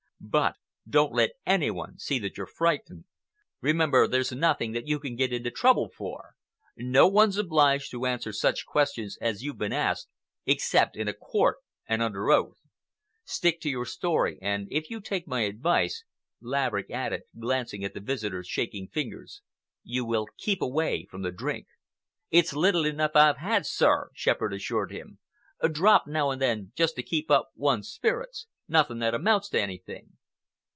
But don't let any one see that you're frightened. Remember, there's nothing that you can get into trouble for. No one's obliged to answer such questions as you've been asked, except in a court and under oath. Stick to your story, and if you take my advice," Laverick added, glancing at his visitor's shaking fingers, "you will keep away from the drink." "It's little enough I've had, sir," Shepherd assured him. "A drop now and then just to keep up one's spirits—nothing that amounts to anything."